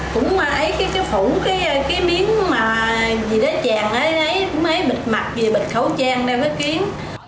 cũng ấy cái phủ cái miếng mà gì đó chàng ấy ấy cũng ấy bịt mặt bịt khẩu trang đeo cái kín